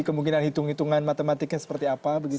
kemungkinan hitung hitungan matematiknya seperti apa